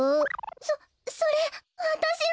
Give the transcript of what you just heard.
そそれわたしの！